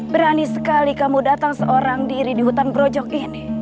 berani sekali kamu datang seorang diri di hutan gerojok ini